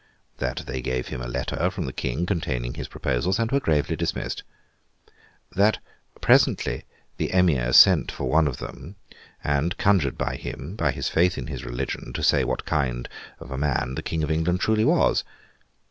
That they gave him a letter from the King containing his proposals, and were gravely dismissed. That presently the Emir sent for one of them, and conjured him, by his faith in his religion, to say what kind of man the King of England truly was?